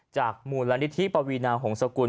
จากหมู่รณิธิปวีนาของสกุล